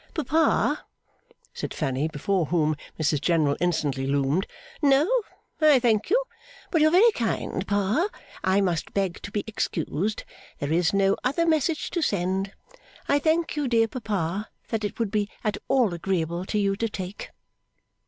'Papa,' said Fanny, before whom Mrs General instantly loomed, 'no, I thank you. You are very kind, Pa, but I must beg to be excused. There is no other message to send, I thank you, dear papa, that it would be at all agreeable to you to take.